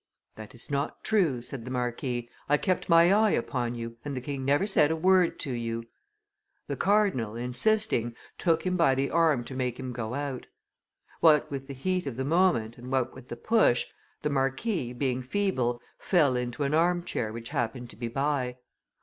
'That is not true,' said the marquis. 'I kept my eye upon you, and the king never said a word to you.' The cardinal, insisting, took him by the arm to make him go out; what with the heat of the moment, and what with the push, the marquis, being feeble, fell into an arm chair which happened to be by.